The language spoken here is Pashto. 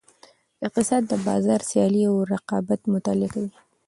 اقتصاد د بازار سیالۍ او رقیبت مطالعه کوي.